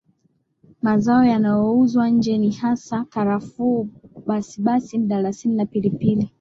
Mazao yanayouzwa nje ni hasa karafuu basibasi mdalasini na pilipili